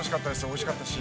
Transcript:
おいしかったし。